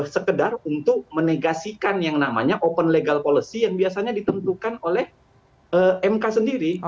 sekedar untuk menegasikan yang namanya open legal policy yang biasanya ditentukan oleh mk sendiri